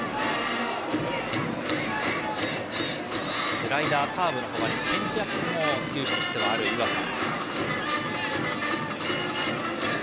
スライダー、カーブの他にチェンジアップも球種としてはある湯浅。